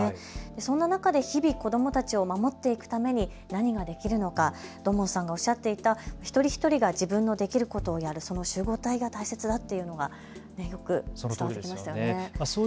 そんな中で日々子どもたちを守っていくために何ができるのか、土門さんがおっしゃっていた一人一人が自分のできることをやる、この集合体が大切だっていうのが伝わってきましたよね。